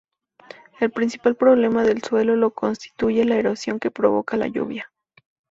El principal problema del suelo lo constituye la erosión que provoca la lluvia.